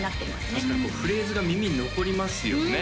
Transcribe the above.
確かにフレーズが耳に残りますよね